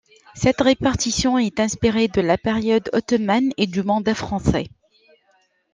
Cette répartition est inspirée de la période ottomane et du mandat français.